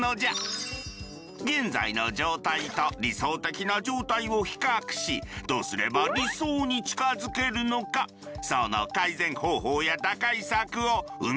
現在の状態と理想的な状態を比較しどうすれば理想に近づけるのかその改善方法や打開策を生み出していくのじゃ！